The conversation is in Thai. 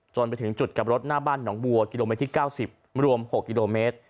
ไปถึงจุดกลับรถหน้าบ้านหนองบัวกิโลเมตรที่๙๐รวม๖กิโลเมตร